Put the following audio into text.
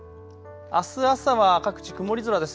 あす朝は各地、曇り空です。